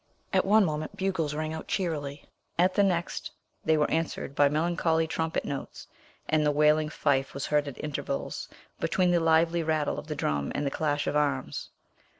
At one moment bugles rang out cheerily, at the next they were answered by melancholy trumpet notes, and the wailing fife was heard at intervals between the lively rattle of the drum and the clash of arms.